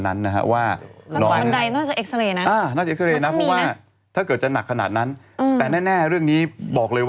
อันนี้คือจบเหรอ